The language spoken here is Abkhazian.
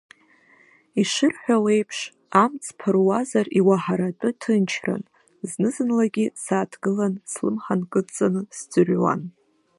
Ишырҳәауа еиԥш, амҵ ԥыруазар иуаҳаратәы ҭынчран, зны-зынлагьы сааҭгылан, слымҳа нкыдҵаны, сӡырҩуан.